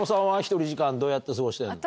１人時間どうやって過ごしてんの？